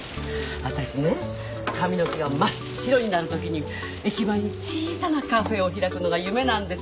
私ね髪の毛が真っ白になる時に駅前に小さなカフェを開くのが夢なんです